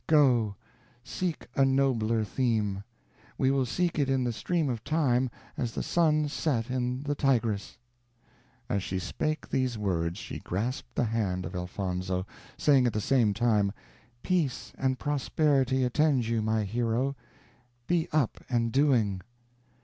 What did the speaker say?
Go, seek a nobler theme! we will seek it in the stream of time, as the sun set in the Tigris." As she spake these words she grasped the hand of Elfonzo, saying at the same time "Peace and prosperity attend you, my hero; be up and doing!"